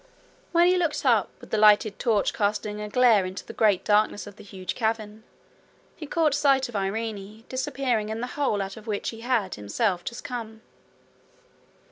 When he looked up, with the lighted torch casting a glare into the great darkness of the huge cavern, he caught sight of Irene disappearing in the hole out of which he had himself just come.